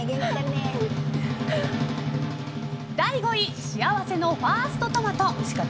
第５位しあわせのファーストトマト。